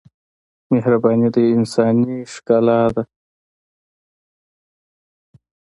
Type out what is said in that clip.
مهرباني د انسانۍ ښکلا ده.